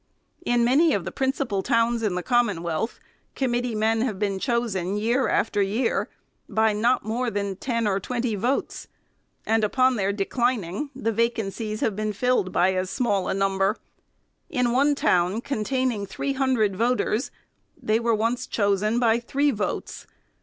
In many of the prin cipal towns in the Commonwealth, committee men have been chosen, year after year, by not more than ten or twenty votes ; and, upon their declining, the vacancies have been filled by as small a number. In one town, con taining three hundred voters, they were once chosen by three votes.